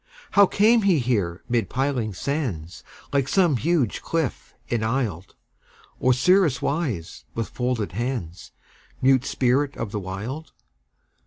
How came he here mid piling sands, Like some huge cliff enisled, Osiris wise, with folded hands, Mute spirit of the Wild?